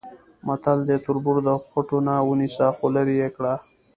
متل دی: تربور د خوټونه ونیسه خولرې یې کړه.